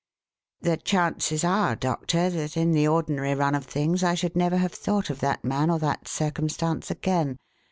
The chances are, Doctor, that in the ordinary run of things I should never have thought of that man or that circumstance again.